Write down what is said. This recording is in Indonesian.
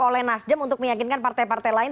oleh nasdem untuk meyakinkan partai partai lain